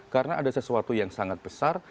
karena ada sesuatu yang sangat besar